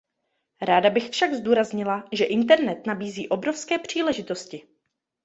Ráda bych však zdůraznila, že internet nabízí obrovské příležitosti.